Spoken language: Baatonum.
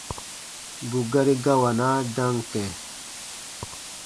Bù gari gawanaa dam kɛ̃.